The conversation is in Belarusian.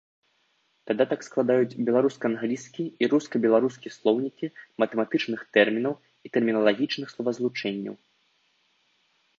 Дадатак складаюць беларуска-англійскі і руска-беларускі слоўнікі матэматычных тэрмінаў і тэрміналагічных словазлучэнняў.